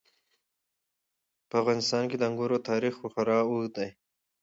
په افغانستان کې د انګورو تاریخ خورا اوږد دی.